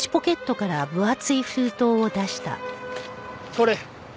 これ。